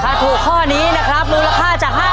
ถ้าถูกข้อนี้นะครับมูลค่าจาก๕๐๐